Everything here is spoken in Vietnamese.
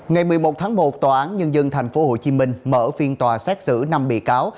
ngày một mươi một tháng một tòa án nhân dân tp hcm mở phiên tòa xét xử năm bị cáo